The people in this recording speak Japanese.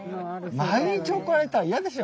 毎日怒られたら嫌でしょ？